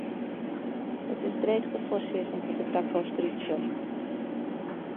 It is dreech te foarsizzen hoe't de takomst der út sjocht.